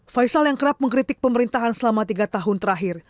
faisal yang kerap mengkritik pemerintahan selama tiga tahun terakhir